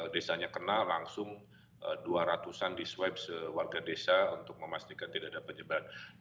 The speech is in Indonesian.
desanya kena langsung dua ratus an di swipe sewarga desa untuk memastikan tidak ada penyebaran